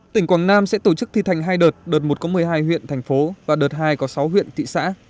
tỉnh quảng nam sẽ tổ chức thi thành hai đợt đợt một có một mươi hai huyện thành phố và đợt hai có sáu huyện thị xã